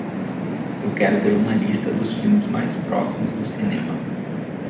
Eu quero ver uma lista dos filmes mais próximos do cinema